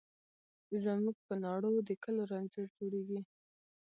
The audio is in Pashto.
زموږ په ناړو د کلو رنځور جوړیږي